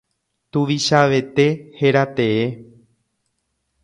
Tuvichavete héra tee.